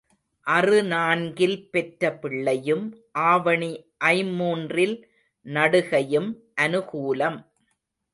அறு நான்கில் பெற்ற பிள்ளையும் ஆவணி ஐம்மூன்றில் நடுகையும் அநுகூலம்.